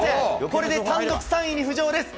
これで単独３位に浮上です。